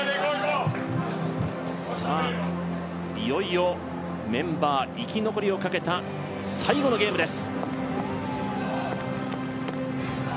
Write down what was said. さあ、いよいよメンバー生き残りをかけた最後のゲームです。